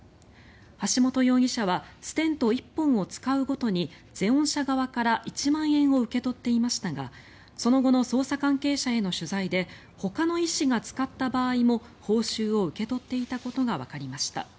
橋本容疑者はステント１本を使うごとにゼオン社側から１万円を受け取っていましたがその後の捜査関係者への取材でほかの医師が使った場合も報酬を受け取っていたことがわかりました。